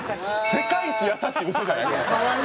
世界一優しい嘘じゃない？